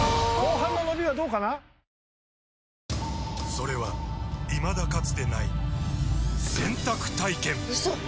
それはいまだかつてない洗濯体験‼うそっ！